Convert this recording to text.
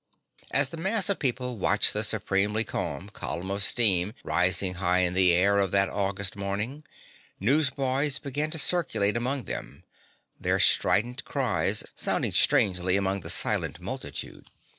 As the mass of people watched the supremely calm column of steam rising high in the air of that August morning, newsboys began to circulate among them, their strident cries sounding strangely among the silent multitude.